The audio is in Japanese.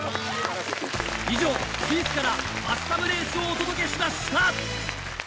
以上スイスからバスタブレースをお届けしました。